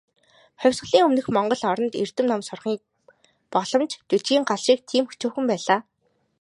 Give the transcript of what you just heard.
Хувьсгалын өмнөх монгол оронд, эрдэм ном сурахын боломж "хүжийн гал" шиг тийм өчүүхэн байлаа.